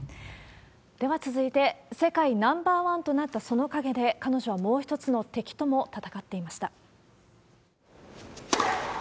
では続いて、世界ナンバー１となったその陰で、彼女はもう一つの敵とも闘っていました。